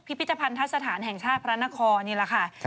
พิพิธภัณฑสถานแห่งชาติพระนครนี่แหละค่ะ